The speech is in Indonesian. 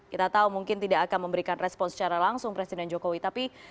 kita tahu mungkin tidak akan memberikan respon secara langsung presiden jokowi tapi